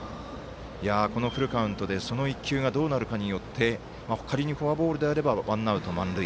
このフルカウントでその１球がどうなるかによって仮にフォアボールであればワンアウト、満塁。